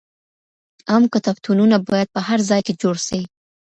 عامه کتابتونونه بايد په هر ځای کي جوړ سي.